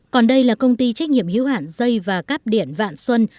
còn đây là công ty trách nhiệm hữu hản dây và cáp điển vạn xuân